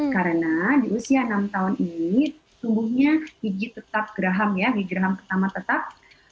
karena di usia enam tahun ini tumbuhnya gigi tetap geraham ya gigi geraham pertama tetap